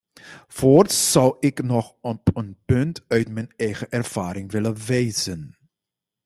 Voorts zou ik nog op een punt uit mijn eigen ervaring willen wijzen.